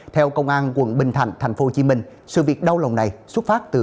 theo công an tp hcm sự việc đau lòng này xuất phát từ